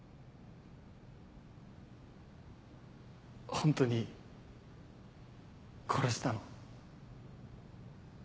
ホントに殺したの？